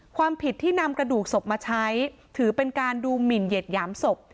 ความผิดที่นำกระดูกศพมาใช้ถือเป็นการดูหมินเหยียดหยามศพ